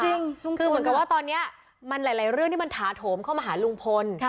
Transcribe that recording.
จริงคือเหมือนกับว่าตอนนี้มันหลายเรื่องที่มันถาโถมเข้ามาหาลุงพล